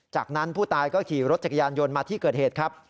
จากนั้นผู้ตายก็ขี่รถจักรยานยนต์มาที่เกิดเหตุครับ